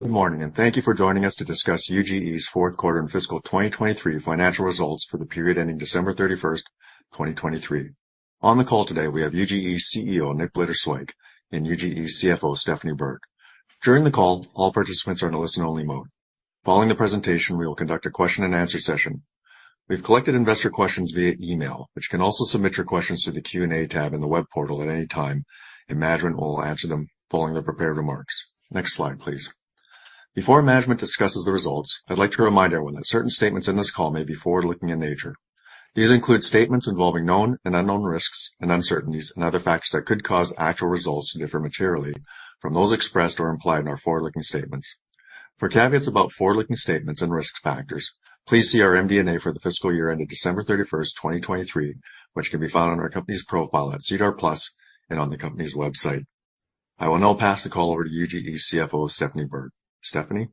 Good morning, and thank you for joining us to discuss UGE's fourth quarter and fiscal 2023 financial results for the period ending December 31st, 2023. On the call today we have UGE CEO Nick Blitterswyk and UGE CFO Stephanie Bird. During the call, all participants are in a listen-only mode. Following the presentation, we will conduct a question-and-answer session. We've collected investor questions via email, which can also submit your questions through the Q&A tab in the web portal at any time, and management will answer them following their prepared remarks. Next slide, please. Before management discusses the results, I'd like to remind everyone that certain statements in this call may be forward-looking in nature. These include statements involving known and unknown risks and uncertainties and other factors that could cause actual results to differ materially from those expressed or implied in our forward-looking statements. For caveats about forward-looking statements and risk factors, please see our MD&A for the fiscal year ending December 31st, 2023, which can be found on our company's profile at SEDAR+ and on the company's website. I will now pass the call over to UGE CFO Stephanie Bird. Stephanie?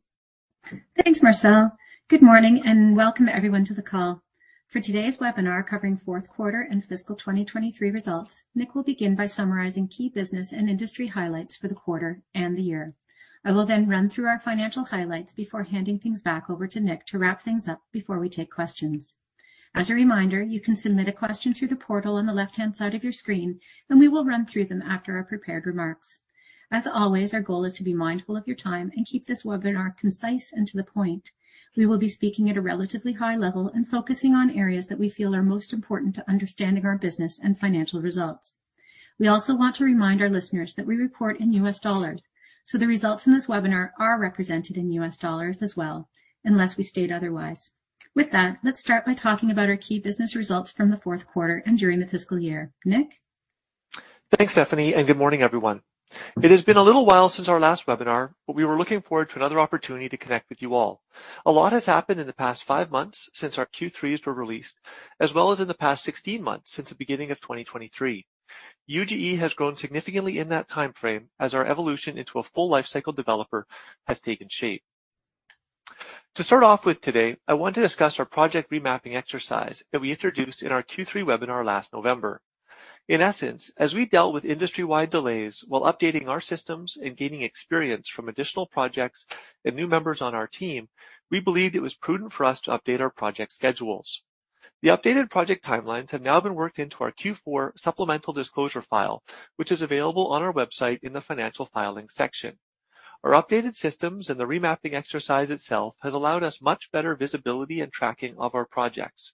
Thanks, Marcel. Good morning and welcome, everyone, to the call. For today's webinar covering fourth quarter and fiscal 2023 results, Nick will begin by summarizing key business and industry highlights for the quarter and the year. I will then run through our financial highlights before handing things back over to Nick to wrap things up before we take questions. As a reminder, you can submit a question through the portal on the left-hand side of your screen, and we will run through them after our prepared remarks. As always, our goal is to be mindful of your time and keep this webinar concise and to the point. We will be speaking at a relatively high level and focusing on areas that we feel are most important to understanding our business and financial results. We also want to remind our listeners that we report in U.S. dollars, so the results in this webinar are represented in U.S. dollars as well, unless we state otherwise. With that, let's start by talking about our key business results from the fourth quarter and during the fiscal year. Nick? Thanks, Stephanie, and good morning, everyone. It has been a little while since our last webinar, but we were looking forward to another opportunity to connect with you all. A lot has happened in the past 5 months since our Q3s were released, as well as in the past 16 months since the beginning of 2023. UGE has grown significantly in that time frame as our evolution into a full lifecycle developer has taken shape. To start off with today, I want to discuss our project remapping exercise that we introduced in our Q3 webinar last November. In essence, as we dealt with industry-wide delays while updating our systems and gaining experience from additional projects and new members on our team, we believed it was prudent for us to update our project schedules. The updated project timelines have now been worked into our Q4 supplemental disclosure file, which is available on our website in the financial filing section. Our updated systems and the remapping exercise itself have allowed us much better visibility and tracking of our projects.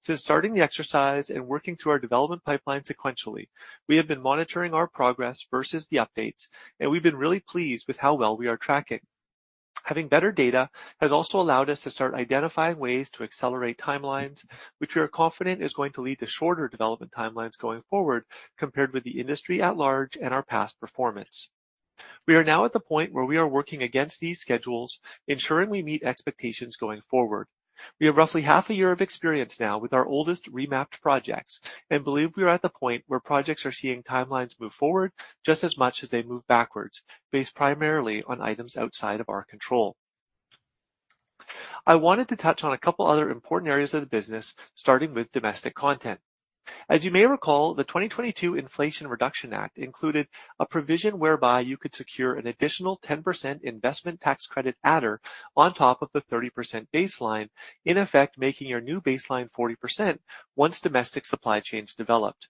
Since starting the exercise and working through our development pipeline sequentially, we have been monitoring our progress versus the updates, and we've been really pleased with how well we are tracking. Having better data has also allowed us to start identifying ways to accelerate timelines, which we are confident is going to lead to shorter development timelines going forward compared with the industry at large and our past performance. We are now at the point where we are working against these schedules, ensuring we meet expectations going forward. We have roughly half a year of experience now with our oldest remapped projects and believe we are at the point where projects are seeing timelines move forward just as much as they move backwards, based primarily on items outside of our control. I wanted to touch on a couple other important areas of the business, starting with domestic content. As you may recall, the 2022 Inflation Reduction Act included a provision whereby you could secure an additional 10% investment tax credit adder on top of the 30% baseline, in effect making your new baseline 40% once domestic supply chains developed.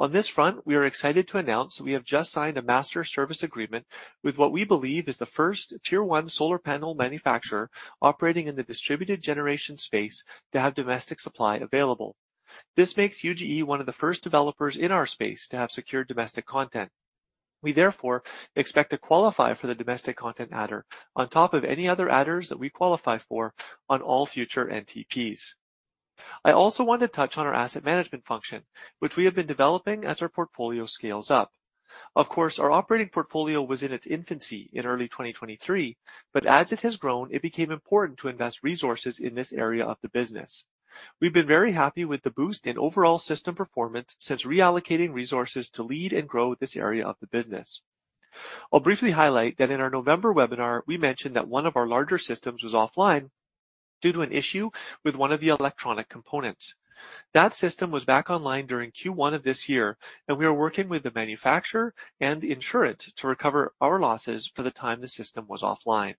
On this front, we are excited to announce that we have just signed a master service agreement with what we believe is the first Tier 1 solar panel manufacturer operating in the distributed generation space to have domestic supply available. This makes UGE one of the first developers in our space to have secured domestic content. We therefore expect to qualify for the domestic content adder on top of any other adders that we qualify for on all future NTPs. I also want to touch on our asset management function, which we have been developing as our portfolio scales up. Of course, our operating portfolio was in its infancy in early 2023, but as it has grown, it became important to invest resources in this area of the business. We've been very happy with the boost in overall system performance since reallocating resources to lead and grow this area of the business. I'll briefly highlight that in our November webinar, we mentioned that one of our larger systems was offline due to an issue with one of the electronic components. That system was back online during Q1 of this year, and we are working with the manufacturer and the insurance to recover our losses for the time the system was offline.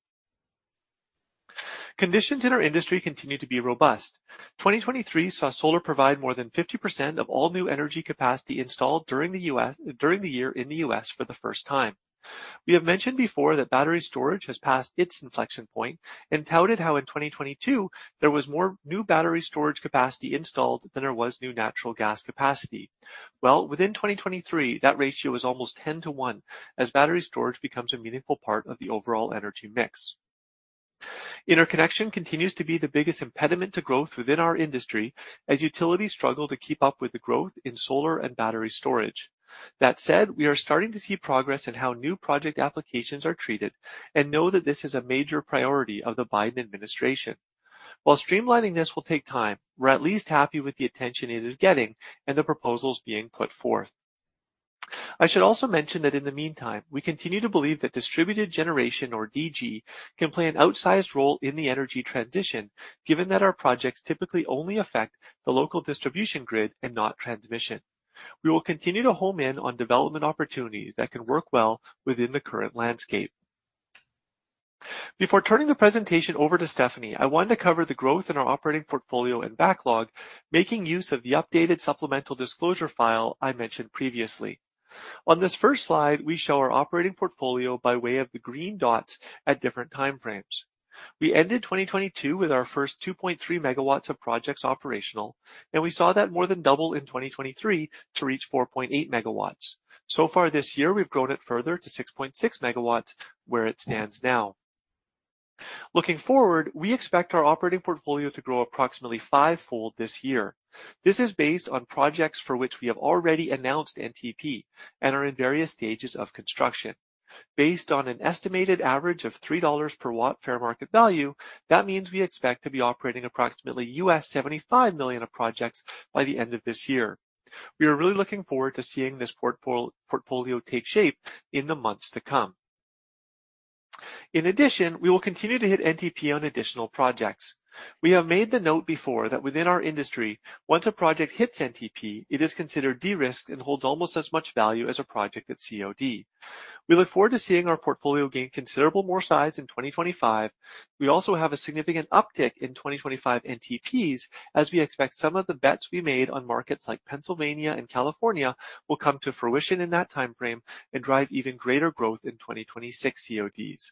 Conditions in our industry continue to be robust. 2023 saw solar provide more than 50% of all new energy capacity installed during the year in the U.S. for the first time. We have mentioned before that battery storage has passed its inflection point and touted how in 2022 there was more new battery storage capacity installed than there was new natural gas capacity. Well, within 2023, that ratio was almost 10 to 1 as battery storage becomes a meaningful part of the overall energy mix. Interconnection continues to be the biggest impediment to growth within our industry as utilities struggle to keep up with the growth in solar and battery storage. That said, we are starting to see progress in how new project applications are treated and know that this is a major priority of the Biden administration. While streamlining this will take time, we're at least happy with the attention it is getting and the proposals being put forth. I should also mention that in the meantime, we continue to believe that distributed generation, or DG, can play an outsized role in the energy transition given that our projects typically only affect the local distribution grid and not transmission. We will continue to home in on development opportunities that can work well within the current landscape. Before turning the presentation over to Stephanie, I wanted to cover the growth in our operating portfolio and backlog making use of the updated supplemental disclosure file I mentioned previously. On this first slide, we show our operating portfolio by way of the green dots at different time frames. We ended 2022 with our first 2.3 MW of projects operational, and we saw that more than double in 2023 to reach 4.8 MW. So far this year, we've grown it further to 6.6 MW where it stands now. Looking forward, we expect our operating portfolio to grow approximately five-fold this year. This is based on projects for which we have already announced NTP and are in various stages of construction. Based on an estimated average of $3 per watt fair market value, that means we expect to be operating approximately $75 million of projects by the end of this year. We are really looking forward to seeing this portfolio take shape in the months to come. In addition, we will continue to hit NTP on additional projects. We have made the note before that within our industry, once a project hits NTP, it is considered de-risked and holds almost as much value as a project at COD. We look forward to seeing our portfolio gain considerable more size in 2025. We also have a significant uptick in 2025 NTPs as we expect some of the bets we made on markets like Pennsylvania and California will come to fruition in that time frame and drive even greater growth in 2026 CODs.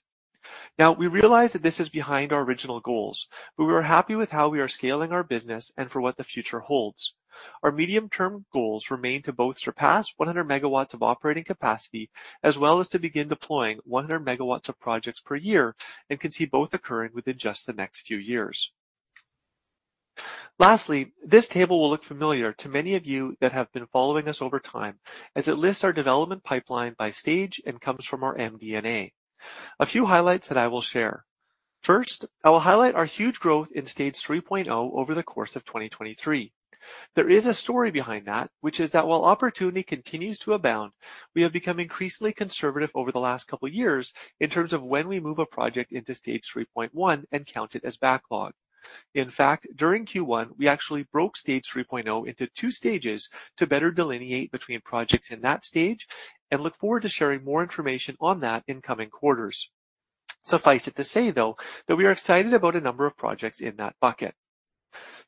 Now, we realize that this is behind our original goals, but we are happy with how we are scaling our business and for what the future holds. Our medium-term goals remain to both surpass 100 MW of operating capacity as well as to begin deploying 100 MW of projects per year and can see both occurring within just the next few years. Lastly, this table will look familiar to many of you that have been following us over time as it lists our development pipeline by stage and comes from our MD&A. A few highlights that I will share. First, I will highlight our huge growth in stage 3.0 over the course of 2023. There is a story behind that, which is that while opportunity continues to abound, we have become increasingly conservative over the last couple of years in terms of when we move a project into stage 3.1 and count it as backlog. In fact, during Q1, we actually broke stage 3.0 into two stages to better delineate between projects in that stage and look forward to sharing more information on that in coming quarters. Suffice it to say, though, that we are excited about a number of projects in that bucket.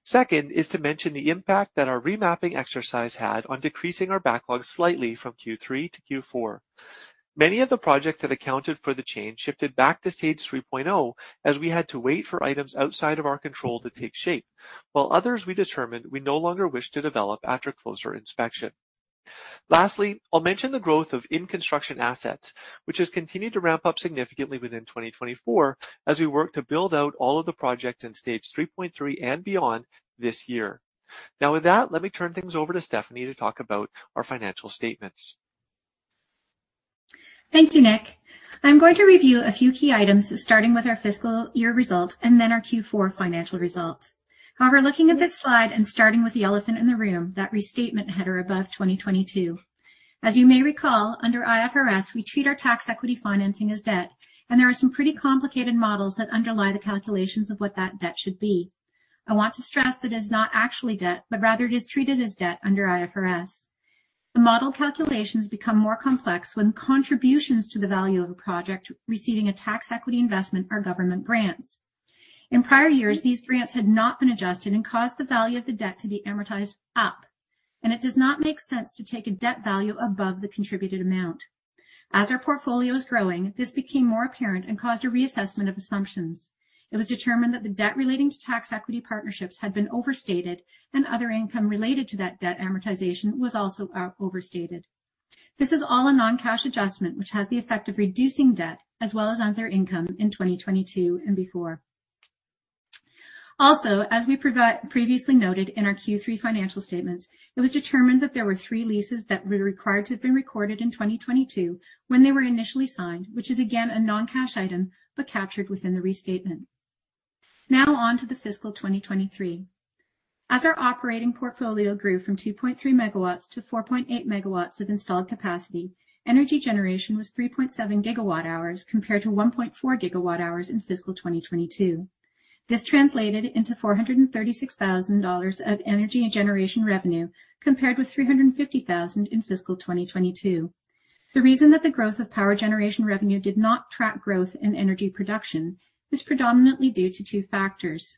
Second is to mention the impact that our remapping exercise had on decreasing our backlog slightly from Q3 to Q4. Many of the projects that accounted for the change shifted back to stage 3.0 as we had to wait for items outside of our control to take shape, while others we determined we no longer wished to develop after closer inspection. Lastly, I'll mention the growth of in-construction assets, which has continued to ramp up significantly within 2024 as we work to build out all of the projects in stage 3.3 and beyond this year. Now, with that, let me turn things over to Stephanie to talk about our financial statements. Thank you, Nick. I'm going to review a few key items, starting with our fiscal year result and then our Q4 financial results. However, looking at this slide and starting with the elephant in the room, that restatement header above 2022. As you may recall, under IFRS, we treat our tax equity financing as debt, and there are some pretty complicated models that underlie the calculations of what that debt should be. I want to stress that it is not actually debt, but rather it is treated as debt under IFRS. The model calculations become more complex when contributions to the value of a project receiving a tax equity investment are government grants. In prior years, these grants had not been adjusted and caused the value of the debt to be amortized up, and it does not make sense to take a debt value above the contributed amount. As our portfolio is growing, this became more apparent and caused a reassessment of assumptions. It was determined that the debt relating to tax equity partnerships had been overstated, and other income related to that debt amortization was also overstated. This is all a non-cash adjustment, which has the effect of reducing debt as well as other income in 2022 and before. Also, as we previously noted in our Q3 financial statements, it was determined that there were three leases that were required to have been recorded in 2022 when they were initially signed, which is again a non-cash item but captured within the restatement. Now on to the fiscal 2023. As our operating portfolio grew from 2.3MW to 4.8 MW of installed capacity, energy generation was 3.7 GWh compared to 1.4 GWh in fiscal 2022. This translated into $436,000 of energy generation revenue compared with $350,000 in fiscal 2022. The reason that the growth of power generation revenue did not track growth in energy production is predominantly due to two factors.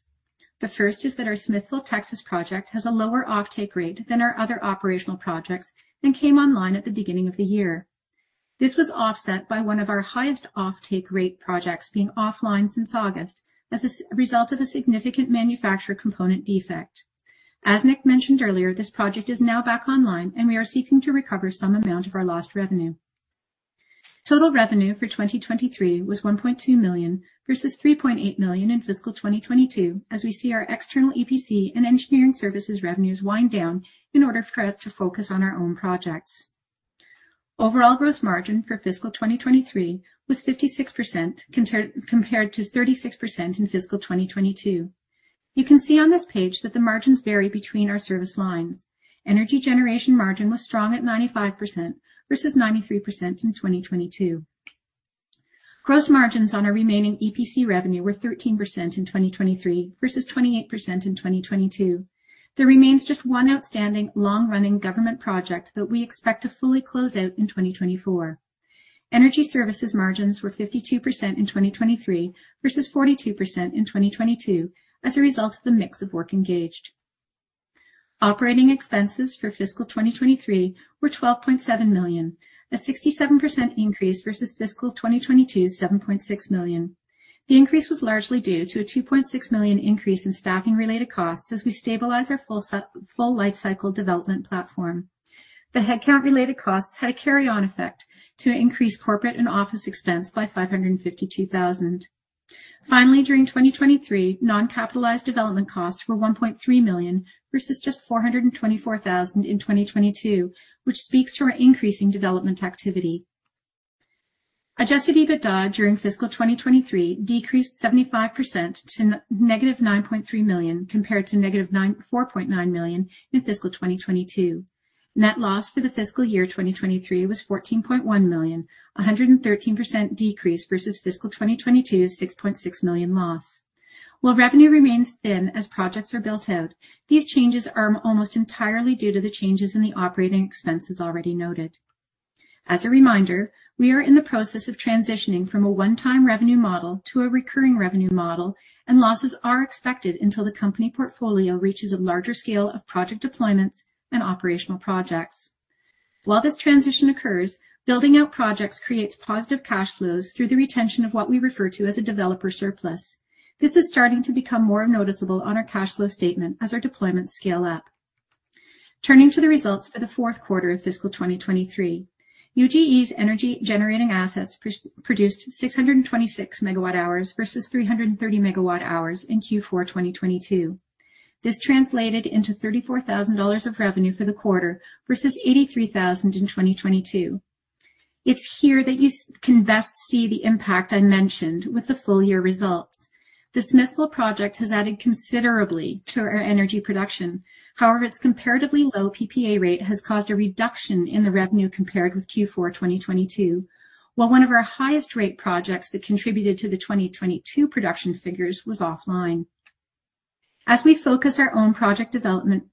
The first is that our Smithville, Texas project has a lower offtake rate than our other operational projects and came online at the beginning of the year. This was offset by one of our highest offtake rate projects being offline since August as a result of a significant manufacturer component defect. As Nick mentioned earlier, this project is now back online, and we are seeking to recover some amount of our lost revenue. Total revenue for 2023 was $1.2 million versus $3.8 million in fiscal 2022 as we see our external EPC and engineering services revenues wind down in order for us to focus on our own projects. Overall gross margin for fiscal 2023 was 56% compared to 36% in fiscal 2022. You can see on this page that the margins vary between our service lines. Energy generation margin was strong at 95% versus 93% in 2022. Gross margins on our remaining EPC revenue were 13% in 2023 versus 28% in 2022. There remains just one outstanding long-running government project that we expect to fully close out in 2024. Energy services margins were 52% in 2023 versus 42% in 2022 as a result of the mix of work engaged. Operating expenses for fiscal 2023 were $12.7 million, a 67% increase versus fiscal 2022's $7.6 million. The increase was largely due to a $2.6 million increase in staffing-related costs as we stabilize our full lifecycle development platform. The headcount-related costs had a carry-on effect to increase corporate and office expense by $552,000. Finally, during 2023, non-capitalized development costs were $1.3 million versus just $424,000 in 2022, which speaks to our increasing development activity. Adjusted EBITDA during fiscal 2023 decreased 75% to negative $9.3 million compared to negative $4.9 million in fiscal 2022. Net loss for the fiscal year 2023 was $14.1 million, a 113% decrease versus fiscal 2022's $6.6 million loss. While revenue remains thin as projects are built out, these changes are almost entirely due to the changes in the operating expenses already noted. As a reminder, we are in the process of transitioning from a one-time revenue model to a recurring revenue model, and losses are expected until the company portfolio reaches a larger scale of project deployments and operational projects. While this transition occurs, building out projects creates positive cash flows through the retention of what we refer to as a developer surplus. This is starting to become more noticeable on our cash flow statement as our deployments scale up. Turning to the results for the fourth quarter of fiscal 2023, UGE's energy generating assets produced 626 MWh versus 330 MWh in Q4 2022. This translated into $34,000 of revenue for the quarter versus $83,000 in 2022. It's here that you can best see the impact I mentioned with the full year results. The Smithville project has added considerably to our energy production. However, its comparatively low PPA rate has caused a reduction in the revenue compared with Q4 2022, while one of our highest rate projects that contributed to the 2022 production figures was offline. As we focus our own project development,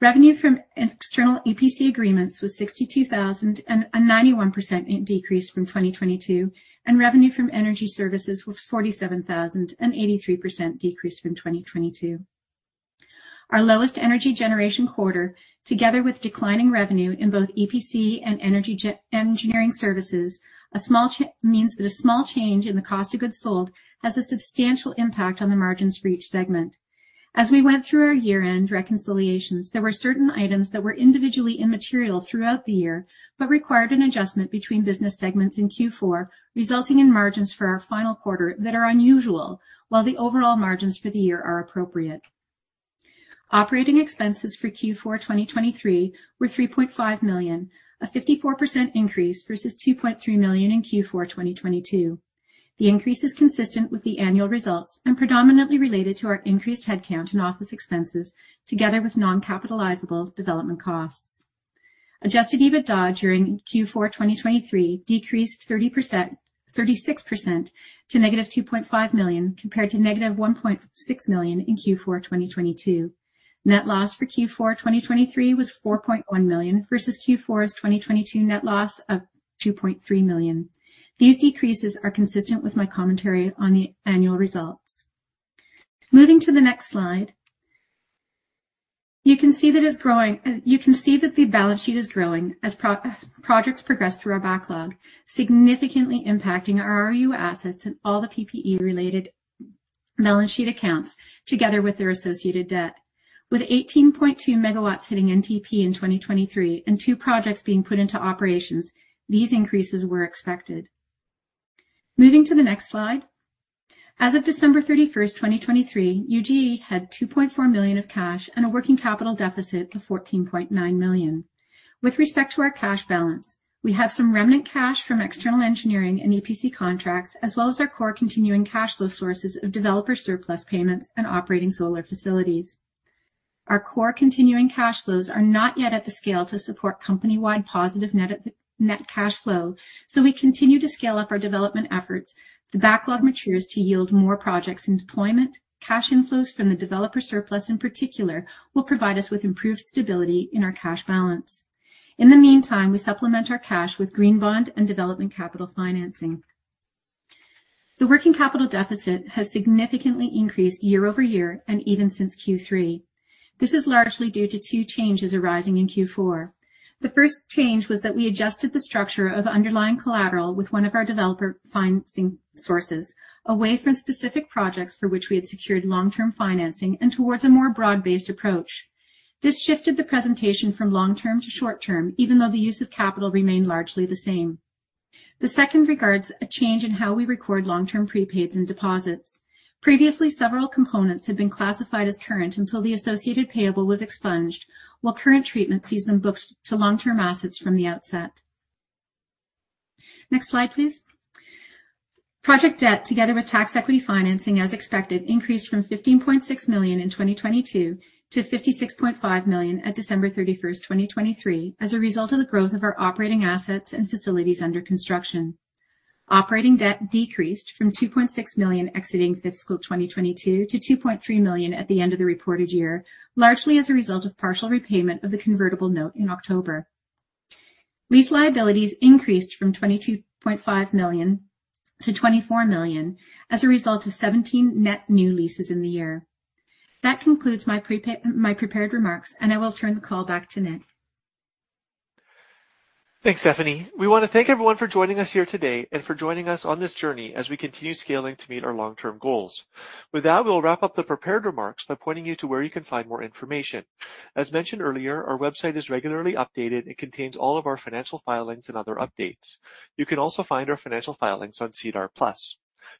revenue from external EPC agreements was $62,000, a 91% decrease from 2022, and revenue from energy services was $47,000, an 83% decrease from 2022. Our lowest energy generation quarter, together with declining revenue in both EPC and engineering services, means that a small change in the cost of goods sold has a substantial impact on the margins for each segment. As we went through our year-end reconciliations, there were certain items that were individually immaterial throughout the year but required an adjustment between business segments in Q4, resulting in margins for our final quarter that are unusual while the overall margins for the year are appropriate. Operating expenses for Q4 2023 were $3.5 million, a 54% increase versus $2.3 million in Q4 2022. The increase is consistent with the annual results and predominantly related to our increased headcount and office expenses together with non-capitalizable development costs. Adjusted EBITDA during Q4 2023 decreased 36% to -$2.5 million compared to -$1.6 million in Q4 2022. Net loss for Q4 2023 was $4.1 million versus Q4 2022 net loss of $2.3 million. These decreases are consistent with my commentary on the annual results. Moving to the next slide, you can see that it's growing you can see that the balance sheet is growing as projects progress through our backlog, significantly impacting our ROU assets and all the PPE-related balance sheet accounts together with their associated debt. With 18.2 MW hitting NTP in 2023 and two projects being put into operations, these increases were expected. Moving to the next slide, as of December 31st, 2023, UGE had $2.4 million of cash and a working capital deficit of $14.9 million. With respect to our cash balance, we have some remnant cash from external engineering and EPC contracts as well as our core continuing cash flow sources of developer surplus payments and operating solar facilities. Our core continuing cash flows are not yet at the scale to support company-wide positive net cash flow, so we continue to scale up our development efforts. The backlog matures to yield more projects in deployment. Cash inflows from the Developer Surplus in particular will provide us with improved stability in our cash balance. In the meantime, we supplement our cash with Green Bond and development capital financing. The working capital deficit has significantly increased year over year and even since Q3. This is largely due to two changes arising in Q4. The first change was that we adjusted the structure of underlying collateral with one of our developer financing sources away from specific projects for which we had secured long-term financing and towards a more broad-based approach. This shifted the presentation from long-term to short-term, even though the use of capital remained largely the same. The second regards a change in how we record long-term prepaids and deposits. Previously, several components had been classified as current until the associated payable was expunged, while current treatment sees them booked to long-term assets from the outset. Next slide, please. Project debt, together with tax equity financing as expected, increased from $15.6 million in 2022 to $56.5 million at December 31st, 2023, as a result of the growth of our operating assets and facilities under construction. Operating debt decreased from $2.6 million exiting fiscal 2022 to $2.3 million at the end of the reported year, largely as a result of partial repayment of the convertible note in October. Lease liabilities increased from $22.5 million to $24 million as a result of 17 net new leases in the year. That concludes my prepared remarks, and I will turn the call back to Nick. Thanks, Stephanie. We want to thank everyone for joining us here today and for joining us on this journey as we continue scaling to meet our long-term goals. With that, we'll wrap up the prepared remarks by pointing you to where you can find more information. As mentioned earlier, our website is regularly updated. It contains all of our financial filings and other updates. You can also find our financial filings on SEDAR+.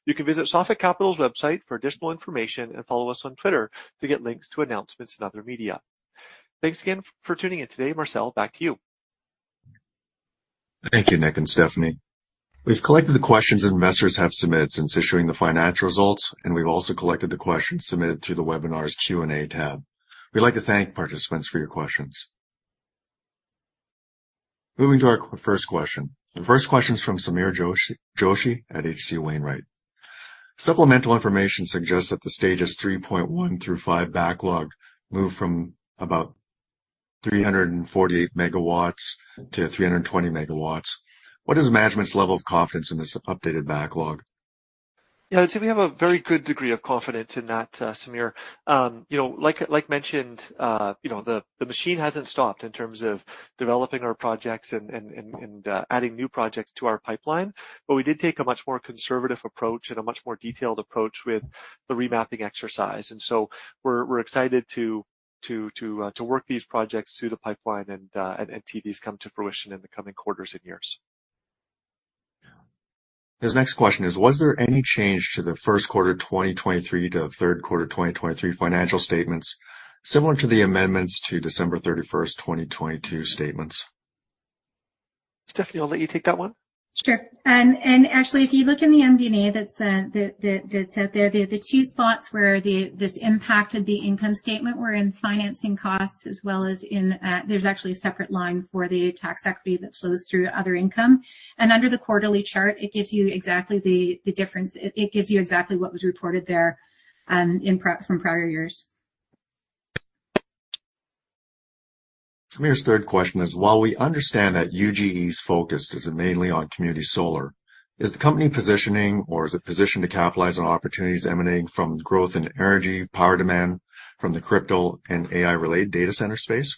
You can visit Sophic Capital's website for additional information and follow us on Twitter to get links to announcements and other media. Thanks again for tuning in today. Marcel, back to you. Thank you, Nick and Stephanie. We've collected the questions investors have submitted since issuing the financial results, and we've also collected the questions submitted through the webinar's Q&A tab. We'd like to thank participants for your questions. Moving to our first question. The first question is from Sameer Joshi at H.C. Wainwright. Supplemental information suggests that the stages 3.1 through 5 backlog moved from about 348 MW to 320 MW. What is management's level of confidence in this updated backlog? Yeah, I'd say we have a very good degree of confidence in that, Sameer. Like mentioned, the machine hasn't stopped in terms of developing our projects and adding new projects to our pipeline, but we did take a much more conservative approach and a much more detailed approach with the remapping exercise. And so we're excited to work these projects through the pipeline and see these come to fruition in the coming quarters and years. His next question is, was there any change to the first quarter 2023 to third quarter 2023 financial statements similar to the amendments to December 31st, 2022 statements? Stephanie, I'll let you take that one. Sure. Actually, if you look in the MD&A that's out there, the two spots where this impacted the income statement were in financing costs as well as in, there's actually a separate line for the tax equity that flows through other income. Under the quarterly chart, it gives you exactly the difference. It gives you exactly what was reported there from prior years. Sameer's third question is, while we understand that UGE's focus is mainly on community solar, is the company positioning or is it positioned to capitalize on opportunities emanating from growth in energy, power demand, from the crypto and AI-related data center space?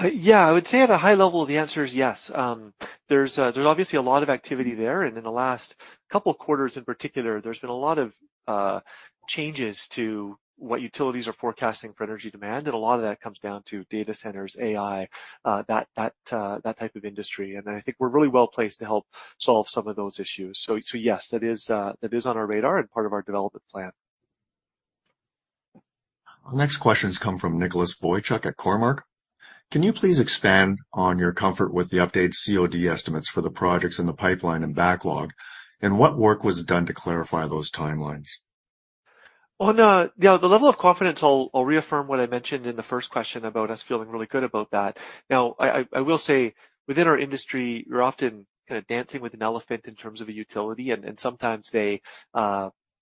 Yeah, I would say at a high level, the answer is yes. There's obviously a lot of activity there. In the last couple of quarters in particular, there's been a lot of changes to what utilities are forecasting for energy demand, and a lot of that comes down to data centers, AI, that type of industry. I think we're really well placed to help solve some of those issues. Yes, that is on our radar and part of our development plan. Next question has come from Nicholas Boychuk at Cormark. Can you please expand on your comfort with the updated COD estimates for the projects in the pipeline and backlog, and what work was done to clarify those timelines? Yeah, the level of confidence, I'll reaffirm what I mentioned in the first question about us feeling really good about that. Now, I will say within our industry, we're often kind of dancing with an elephant in terms of a utility, and sometimes they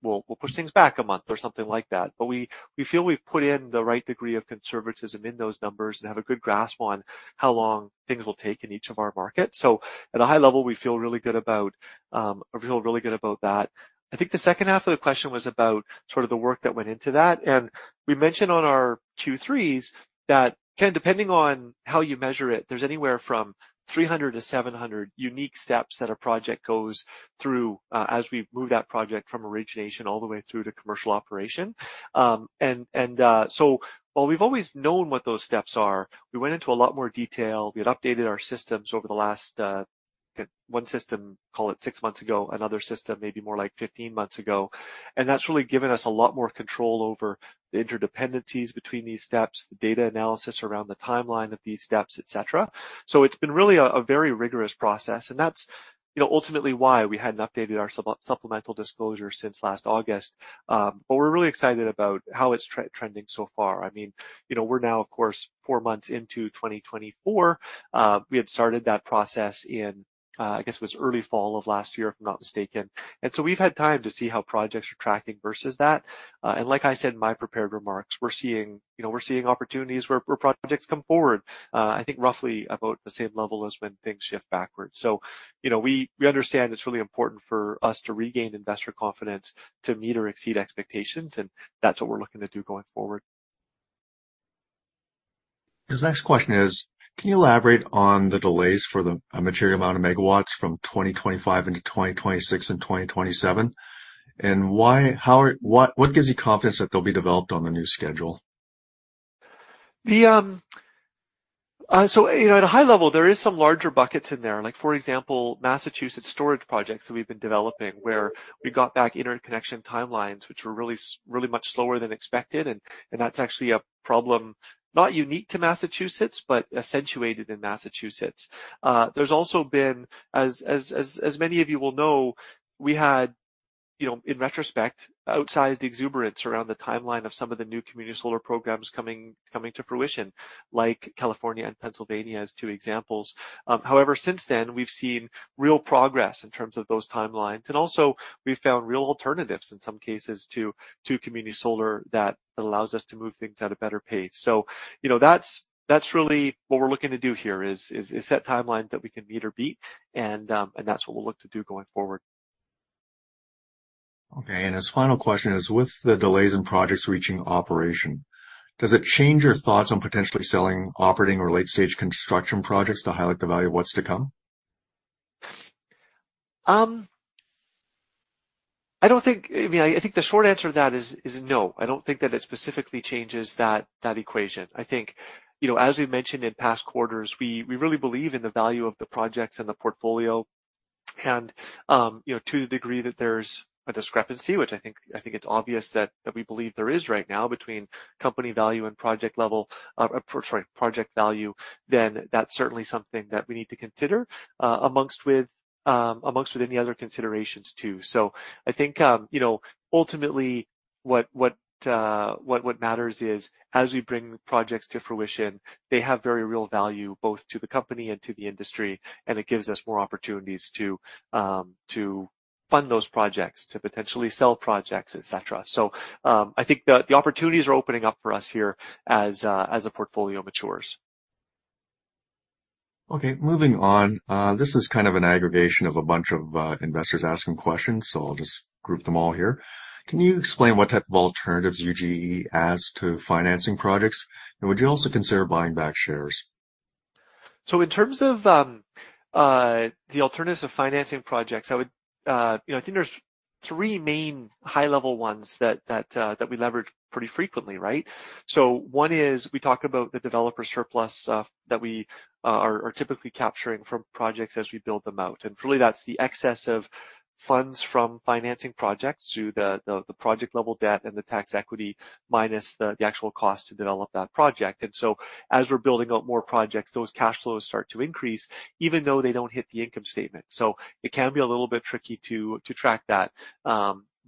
will push things back a month or something like that. But we feel we've put in the right degree of conservatism in those numbers and have a good grasp on how long things will take in each of our markets. So at a high level, we feel really good about we feel really good about that. I think the second half of the question was about sort of the work that went into that. We mentioned on our Q3s that, again, depending on how you measure it, there's anywhere from 300-700 unique steps that a project goes through as we move that project from origination all the way through to commercial operation. So while we've always known what those steps are, we went into a lot more detail. We had updated our systems over the last one system, call it 6 months ago, another system, maybe more like 15 months ago. And that's really given us a lot more control over the interdependencies between these steps, the data analysis around the timeline of these steps, etc. So it's been really a very rigorous process, and that's ultimately why we hadn't updated our supplemental disclosure since last August. But we're really excited about how it's trending so far. I mean, we're now, of course, 4 months into 2024. We had started that process in, I guess, it was early fall of last year if I'm not mistaken. And so we've had time to see how projects are tracking versus that. And like I said in my prepared remarks, we're seeing opportunities where projects come forward, I think roughly about the same level as when things shift backwards. So we understand it's really important for us to regain investor confidence to meet or exceed expectations, and that's what we're looking to do going forward. His next question is, Can you elaborate on the delays for the material amount of megawatts from 2025 into 2026 and 2027, and what gives you confidence that they'll be developed on the new schedule? So at a high level, there are some larger buckets in there. For example, Massachusetts storage projects that we've been developing where we got back interconnection timelines, which were really much slower than expected, and that's actually a problem not unique to Massachusetts, but accentuated in Massachusetts. There's also been, as many of you will know, we had, in retrospect, outsized exuberance around the timeline of some of the new community solar programs coming to fruition, like California and Pennsylvania as two examples. However, since then, we've seen real progress in terms of those timelines, and also we've found real alternatives in some cases to community solar that allows us to move things at a better pace. So that's really what we're looking to do here, is set timelines that we can meet or beat, and that's what we'll look to do going forward. Okay. And his final question is, with the delays in projects reaching operation, does it change your thoughts on potentially selling operating or late-stage construction projects to highlight the value of what's to come? I don't think. I mean, I think the short answer to that is no. I don't think that it specifically changes that equation. I think, as we've mentioned in past quarters, we really believe in the value of the projects and the portfolio. And to the degree that there's a discrepancy, which I think it's obvious that we believe there is right now between company value and project level sorry, project value, then that's certainly something that we need to consider among any other considerations too. So I think ultimately, what matters is as we bring projects to fruition, they have very real value both to the company and to the industry, and it gives us more opportunities to fund those projects, to potentially sell projects, etc. So I think the opportunities are opening up for us here as a portfolio matures. Okay. Moving on, this is kind of an aggregation of a bunch of investors asking questions, so I'll just group them all here. Can you explain what type of alternatives UGE has to financing projects, and would you also consider buying back shares? So in terms of the alternatives of financing projects, I think there's 3 main high-level ones that we leverage pretty frequently, right? So one is we talk about the developer surplus that we are typically capturing from projects as we build them out. And really, that's the excess of funds from financing projects through the project-level debt and the tax equity minus the actual cost to develop that project. And so as we're building out more projects, those cash flows start to increase, even though they don't hit the income statement. So it can be a little bit tricky to track that,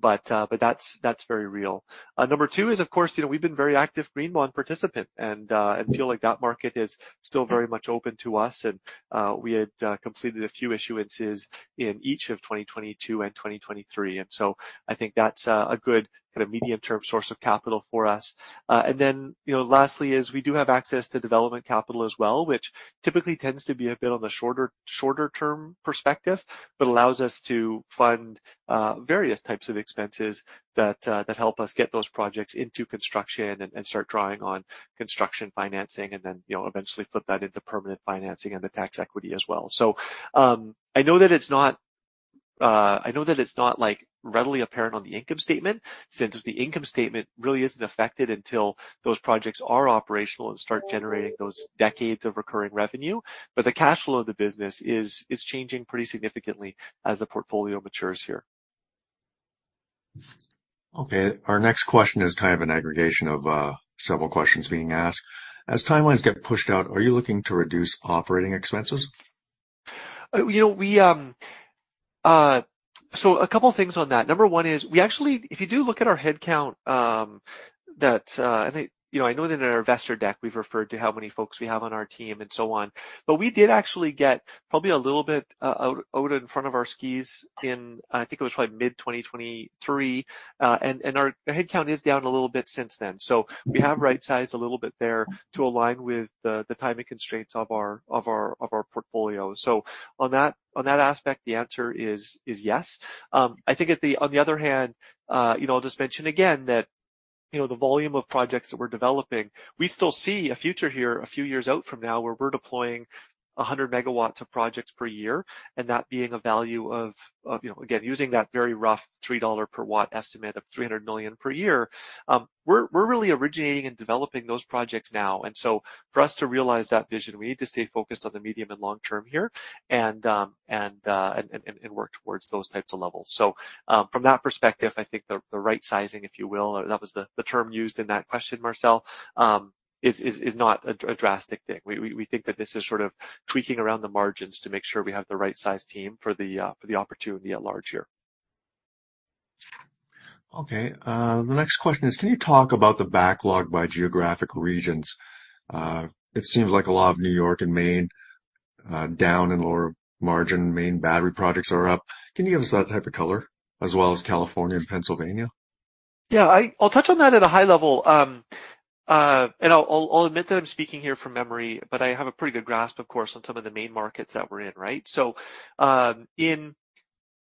but that's very real. Number 2 is, of course, we've been a very active green bond participant and feel like that market is still very much open to us. And we had completed a few issuances in each of 2022 and 2023. And so I think that's a good kind of medium-term source of capital for us. And then lastly is we do have access to development capital as well, which typically tends to be a bit on the shorter-term perspective, but allows us to fund various types of expenses that help us get those projects into construction and start drawing on construction financing and then eventually flip that into permanent financing and the tax equity as well. So I know that it's not readily apparent on the income statement since the income statement really isn't affected until those projects are operational and start generating those decades of recurring revenue. But the cash flow of the business is changing pretty significantly as the portfolio matures here. Okay. Our next question is kind of an aggregation of several questions being asked. As timelines get pushed out, are you looking to reduce operating expenses? So a couple of things on that. Number one is we actually if you do look at our headcount that and I know that in our investor deck, we've referred to how many folks we have on our team and so on. But we did actually get probably a little bit out of in front of our skis in I think it was probably mid-2023, and our headcount is down a little bit since then. So we have right-sized a little bit there to align with the timing constraints of our portfolio. So on that aspect, the answer is yes. I think on the other hand, I'll just mention again that the volume of projects that we're developing. We still see a future here a few years out from now where we're deploying 100 MW of projects per year, and that being a value of, again, using that very rough $3 per watt estimate of $300 million per year. We're really originating and developing those projects now. So for us to realize that vision, we need to stay focused on the medium and long-term here and work towards those types of levels. So from that perspective, I think the right-sizing, if you will, that was the term used in that question, Marcel, is not a drastic thing. We think that this is sort of tweaking around the margins to make sure we have the right-sized team for the opportunity at large here. Okay. The next question is, can you talk about the backlog by geographic regions? It seems like a lot of New York and Maine down and lower margin, Maine battery projects are up. Can you give us that type of color as well as California and Pennsylvania? Yeah, I'll touch on that at a high level. And I'll admit that I'm speaking here from memory, but I have a pretty good grasp, of course, on some of the main markets that we're in, right? So in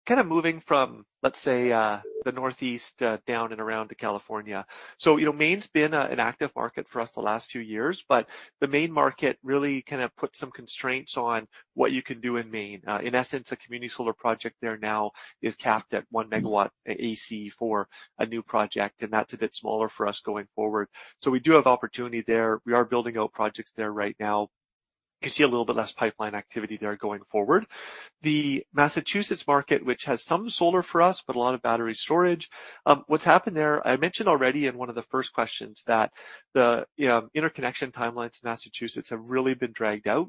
kind of moving from, let's say, the northeast down and around to California, so Maine's been an active market for us the last few years, but the Maine market really kind of put some constraints on what you can do in Maine. In essence, a community solar project there now is capped at 1 MW AC for a new project, and that's a bit smaller for us going forward. So we do have opportunity there. We are building out projects there right now. You can see a little bit less pipeline activity there going forward. The Massachusetts market, which has some solar for us but a lot of battery storage. What's happened there I mentioned already in one of the first questions: that the interconnection timelines in Massachusetts have really been dragged out.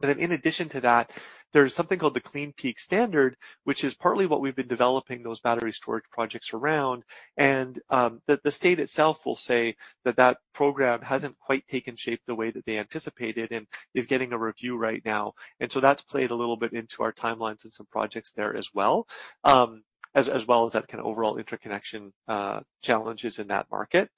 And then in addition to that, there's something called the Clean Peak Standard, which is partly what we've been developing those battery storage projects around. And the state itself will say that that program hasn't quite taken shape the way that they anticipated and is getting a review right now. And so that's played a little bit into our timelines and some projects there as well, as well as that kind of overall interconnection challenges in that market.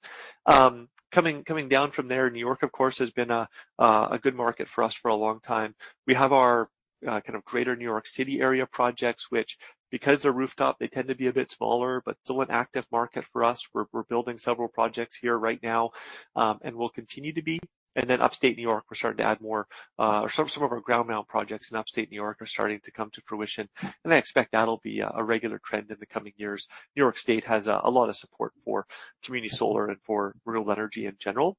Coming down from there, New York, of course, has been a good market for us for a long time. We have our kind of greater New York City area projects, which because they're rooftop, they tend to be a bit smaller, but still an active market for us. We're building several projects here right now and will continue to be. And then upstate New York, we're starting to add more or some of our ground-mount projects in upstate New York are starting to come to fruition. And I expect that'll be a regular trend in the coming years. New York State has a lot of support for community solar and for renewable energy in general.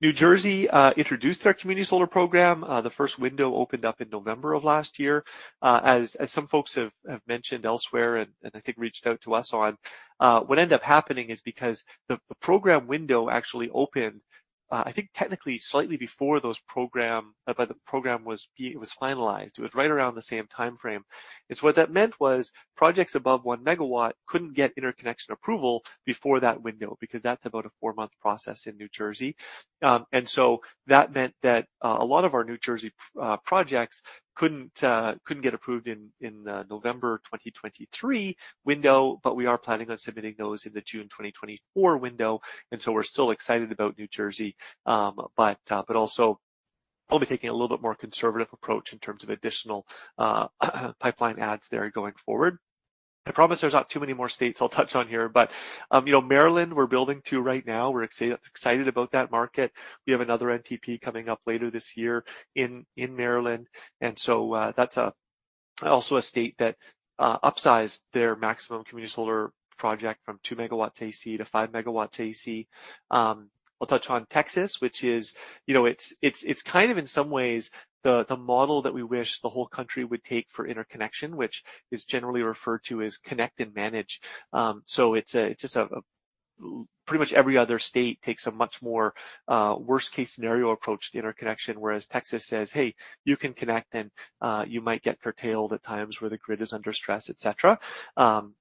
New Jersey introduced their community solar program. The first window opened up in November of last year. As some folks have mentioned elsewhere and I think reached out to us on, what ended up happening is because the program window actually opened, I think, technically slightly before the program was finalized. It was right around the same time frame. And so what that meant was projects above 1 megawatt couldn't get interconnection approval before that window because that's about a four-month process in New Jersey. And so that meant that a lot of our New Jersey projects couldn't get approved in the November 2023 window, but we are planning on submitting those in the June 2024 window. And so we're still excited about New Jersey, but also only taking a little bit more conservative approach in terms of additional pipeline adds there going forward. I promise there's not too many more states I'll touch on here, but Maryland, we're building in right now. We're excited about that market. We have another NTP coming up later this year in Maryland. And so that's also a state that upsized their maximum community solar project from 2 MW AC to 5 MW AC. I'll touch on Texas, which is, it's kind of in some ways the model that we wish the whole country would take for interconnection, which is generally referred to as Connect and Manage. So it's just pretty much every other state takes a much more worst-case scenario approach to interconnection, whereas Texas says, "Hey, you can connect, and you might get curtailed at times where the grid is under stress," etc.,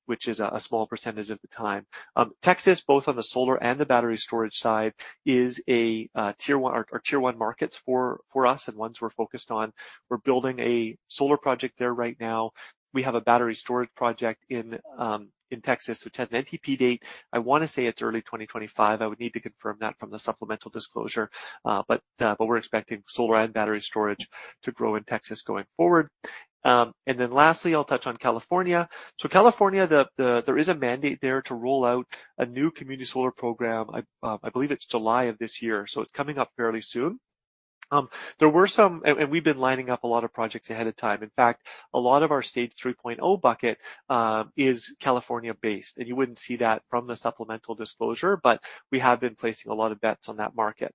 which is a small percentage of the time. Texas, both on the solar and the battery storage side, is a Tier 1, our Tier 1 markets for us and ones we're focused on. We're building a solar project there right now. We have a battery storage project in Texas which has an NTP date. I want to say it's early 2025. I would need to confirm that from the supplemental disclosure, but we're expecting solar and battery storage to grow in Texas going forward. Then lastly, I'll touch on California. California, there is a mandate there to roll out a new community solar program. I believe it's July of this year, so it's coming up fairly soon. There were some, and we've been lining up a lot of projects ahead of time. In fact, a lot of our stage 3.0 bucket is California-based, and you wouldn't see that from the supplemental disclosure, but we have been placing a lot of bets on that market.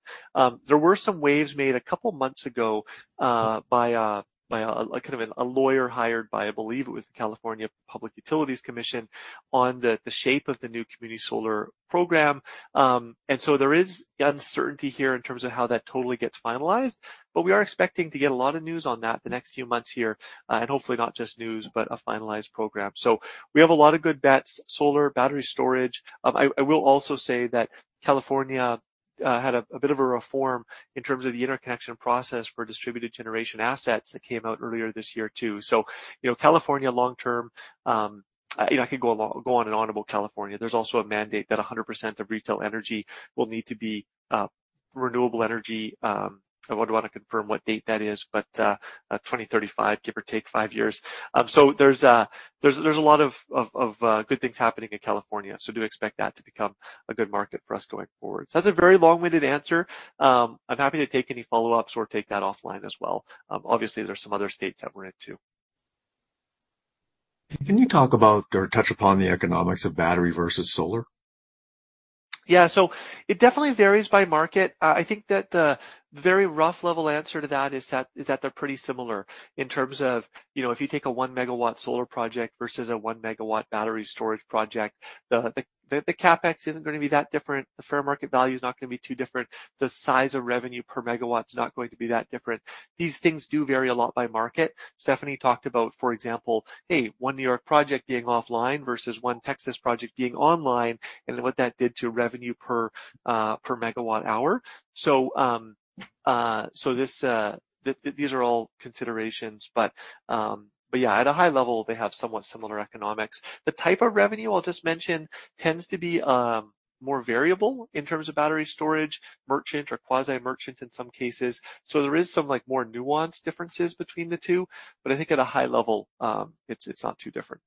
There were some waves made a couple of months ago by kind of a lawyer hired by, I believe it was the California Public Utilities Commission, on the shape of the new community solar program. And so there is uncertainty here in terms of how that totally gets finalized, but we are expecting to get a lot of news on that the next few months here, and hopefully not just news, but a finalized program. So we have a lot of good bets: solar, battery storage. I will also say that California had a bit of a reform in terms of the interconnection process for distributed generation assets that came out earlier this year too. So California, long-term I could go on and on about California. There's also a mandate that 100% of retail energy will need to be renewable energy. I want to confirm what date that is, but 2035, give or take five years. So there's a lot of good things happening in California, so do expect that to become a good market for us going forward. So that's a very long-winded answer. I'm happy to take any follow-ups or take that offline as well. Obviously, there's some other states that we're in too. Can you talk about or touch upon the economics of battery versus solar? Yeah. So it definitely varies by market. I think that the very rough level answer to that is that they're pretty similar in terms of if you take a 1 MW solar project versus a 1 MW battery storage project, the CapEx isn't going to be that different. The fair market value is not going to be too different. The size of revenue per MW is not going to be that different. These things do vary a lot by market. Stephanie talked about, for example, hey, one New York project being offline versus one Texas project being online and what that did to revenue per MWh. So these are all considerations. But yeah, at a high level, they have somewhat similar economics. The type of revenue, I'll just mention, tends to be more variable in terms of battery storage, merchant or quasi-merchant in some cases. There is some more nuanced differences between the two, but I think at a high level, it's not too different.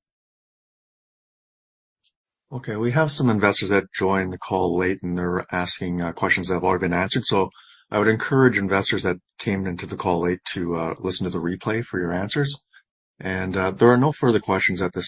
Okay. We have some investors that joined the call late, and they're asking questions that have already been answered. So I would encourage investors that came into the call late to listen to the replay for your answers. And there are no further questions at this.